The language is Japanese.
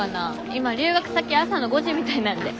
今留学先朝の５時みたいなんで。